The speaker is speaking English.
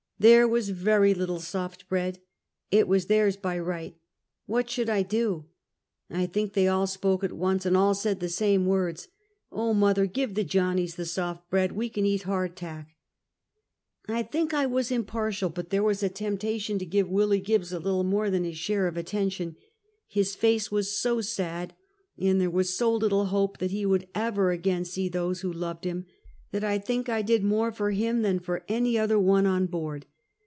There was very little soft bread — it was theirs by right; what should I do? I think they all spoke at once, and all said the same words: "Oh, mother! give the Johnnies the soft bread ! we can eat hard tack!" I think I was impartial, but there was a temptation to give Willie Gibbs a little more than his share of attention. His face was so sad, and there was so lit tle hope that he would ever again see those who loved him, that I think I did more for him than for any other one on board.